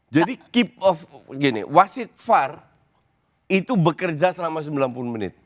jadi keep of gini wasit var itu bekerja selama sembilan puluh menit